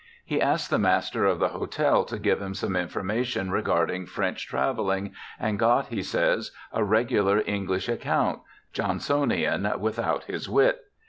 He asked the master of the hotel to give him some information regarding French travel ling, and got, he says, a regular English account, John sonian without his wit.